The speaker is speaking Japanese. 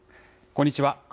こんにちは。